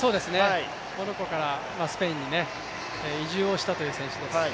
モロッコからスペインに移住をしたという選手です。